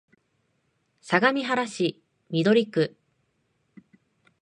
相模原市緑区